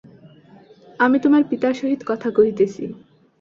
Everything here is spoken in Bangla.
আমি তোমার পিতার সহিত কথা কহিতেছি।